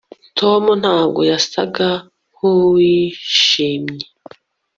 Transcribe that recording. tom ntabwo yasaga nkuwishimye